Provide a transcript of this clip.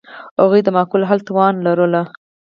هغوی د معقول حل توان لرلو.